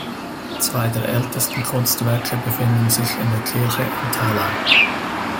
Zwei der ältesten Kunstwerke befinden sich in der Kirche in Thalau.